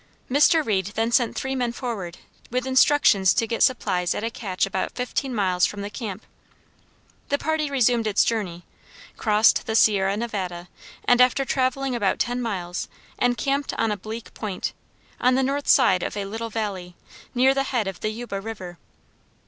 Mr. Reed then sent three men forward with instructions to get supplies at a cache about fifteen miles from the camp. The party resumed its journey, crossed the Sierra Nevada, and after traveling about ten miles, encamped on a bleak point, on the north side of a little valley, near the head of the Yuba River.